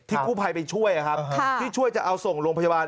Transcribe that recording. กู้ภัยไปช่วยที่ช่วยจะเอาส่งโรงพยาบาล